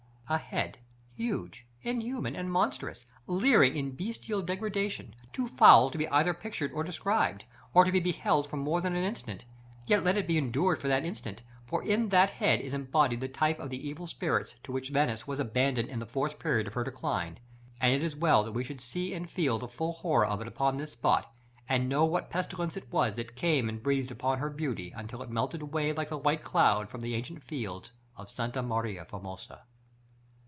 § XV. A head, huge, inhuman, and monstrous, leering in bestial degradation, too foul to be either pictured or described, or to be beheld for more than an instant: yet let it be endured for that instant; for in that head is embodied the type of the evil spirit to which Venice was abandoned in the fourth period of her decline; and it is well that we should see and feel the full horror of it on this spot, and know what pestilence it was that came and breathed upon her beauty, until it melted away like the white cloud from the ancient fields of Santa Maria Formosa.